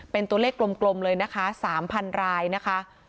เป็นตัวเลขกลมเลยนะคะ๓๐๐รายนะคะ